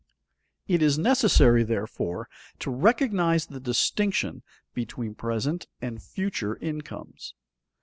It is necessary therefore to recognize the distinction between present and future incomes.